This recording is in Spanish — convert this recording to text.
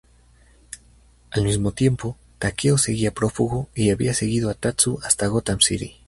Al mismo tiempo, Takeo seguía prófugo y había seguido a Tatsu hasta Gotham City.